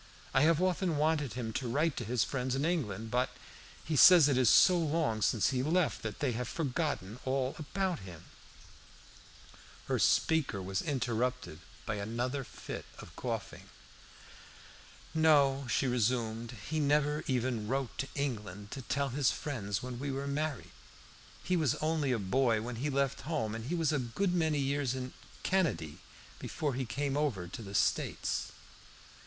I have often wanted him to write to his friends in England, but he says it is so long since he left that they have forgotten all about him." Here the speaker was interrupted by another fit of coughing. "No," she resumed, "he never even wrote to England to tell his friends when we were married. He was only a boy when he left home, and he was a good many years in Canady before he came over to the States."